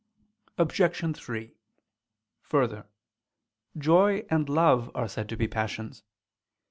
Obj. 3: Further, joy and love are said to be passions.